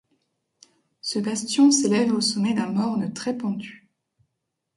Ce bastion s'élève au sommet d'un morne très pentu.